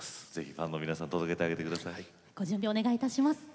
ファンの皆さんに届けてあげてください。